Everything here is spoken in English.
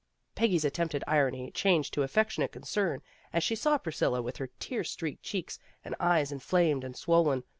Peggy's attempted irony changed to affectionate concern, as she saw Priscilla with her tear streaked cheeks and eyes inflamed and swollen.